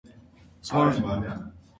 Սորբոնի պատվավոր դոկտոր։